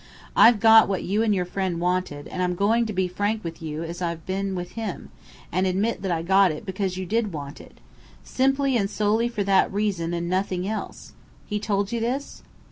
"I've got what you and your friend wanted; and I'm going to be frank with you as I've been with him, and admit that I got it because you did want it. Simply and solely for that reason and nothing else. He told you this?"